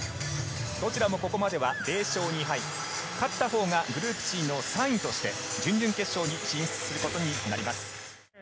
どちらもここまでは０勝２敗、勝ったほうがグループＣの３位として準々決勝に進出することになります。